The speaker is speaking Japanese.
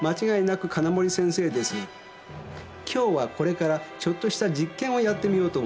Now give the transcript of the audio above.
きょうはこれからちょっとした実験をやってみようと思います。